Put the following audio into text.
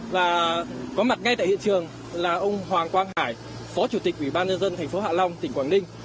và có mặt ngay tại hiện trường là ông hoàng quang hải phó chủ tịch ủy ban nhân dân thành phố hạ long tỉnh quảng ninh